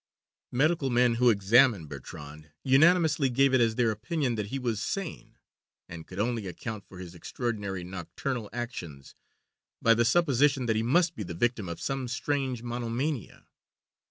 Medical men who examined Bertram unanimously gave it as their opinion that he was sane, and could only account for his extraordinary nocturnal actions by the supposition that he must be the victim of some strange monomania.